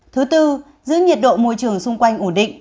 thứ tư giữ nhiệt độ môi trường xung quanh ổn định